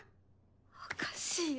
おかしいよ。